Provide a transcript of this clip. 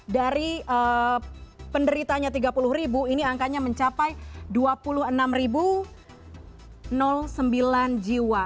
dari penderitanya tiga puluh ini angkanya mencapai dua puluh enam sembilan jiwa